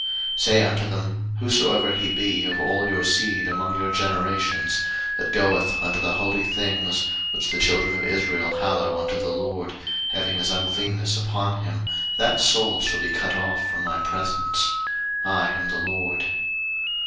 03:022:003 Say unto them, Whosoever he be of all your seed among your generations, that goeth unto the holy things, which the children of Israel hallow unto the LORD, having his uncleanness upon him, that soul shall be cut off from my presence: I am the LORD.